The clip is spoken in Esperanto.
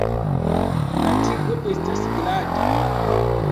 La tigo estas glata.